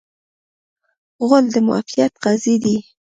غول د معافیت قاضي دی.